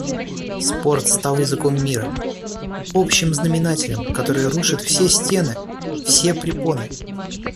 «Спорт стал языком мира, общим знаменателем, который рушит все стены, все препоны...